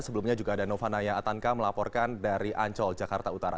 sebelumnya juga ada novanaya atanka melaporkan dari ancol jakarta utara